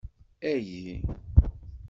Agi.